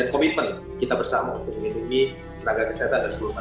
untuk menghitungi tenaga kesehatan dan sebuah masalah